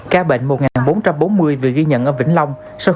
ca bệnh một nghìn bốn trăm bốn mươi vừa ghi nhận ở vĩnh long sau